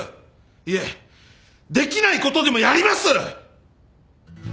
いえできないことでもやります！